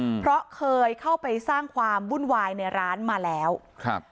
อืมเพราะเคยเข้าไปสร้างความวุ่นวายในร้านมาแล้วครับ